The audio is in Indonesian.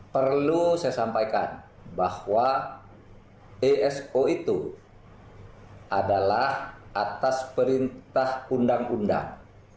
perlu saya sampaikan bahwa eso itu adalah atas perintah undang undang